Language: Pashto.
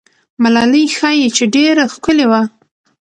ملالۍ ښایي چې ډېره ښکلې وه.